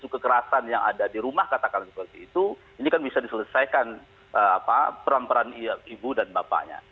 kekerasan yang ada di rumah katakanlah seperti itu ini kan bisa diselesaikan peran peran ibu dan bapaknya